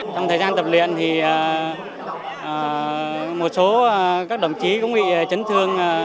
trong thời gian tập luyện thì một số các đồng chí cũng bị chấn thương